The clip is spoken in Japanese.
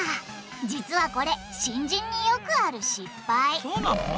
実はこれ新人によくある失敗そうなの？